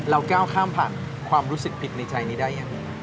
แล้วแก้วข้ามผ่านความรู้สึกผิดในใจนี่ได้อย่างไร